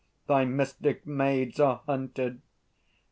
Thy mystic maids Are hunted!